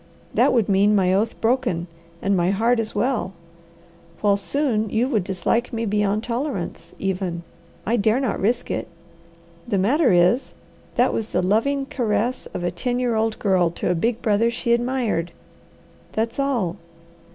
That would mean my oath broken, and my heart as well; while soon you would dislike me beyond tolerance, even. I dare not risk it! The matter is, that was the loving caress of a ten year old girl to a big brother she admired. That's all!